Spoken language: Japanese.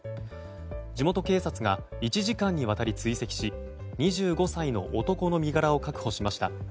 地元警察が１時間にわたり追跡し２５歳の男の身柄を確保しました。